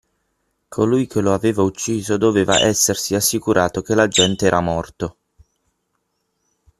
Colui che lo aveva ucciso doveva essersi assicurato che l'agente era morto.